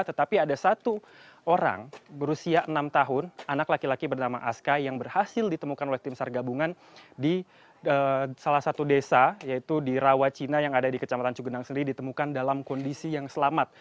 tetapi ada satu orang berusia enam tahun anak laki laki bernama aska yang berhasil ditemukan oleh tim sargabungan di salah satu desa yaitu di rawacina yang ada di kecamatan cugenang sendiri ditemukan dalam kondisi yang selamat